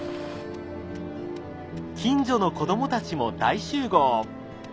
近所の子どもたちも大集合。